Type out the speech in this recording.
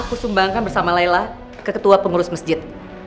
uangnya kan bersama laila keketua pengurus masjid